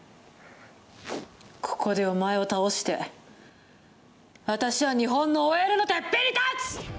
ここでお前を倒して、私は日本のＯＬのてっぺんに立つ！